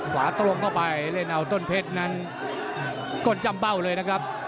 ขวาตรงเข้าไปเล่นเอาต้นเพชรนั้นกดจำเบ้าเลยนะครับ